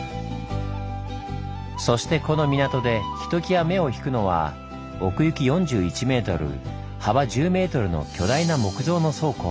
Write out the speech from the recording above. そしてこの港でひときわ目を引くのは奥行き４１ｍ幅１０ｍの巨大な木造の倉庫。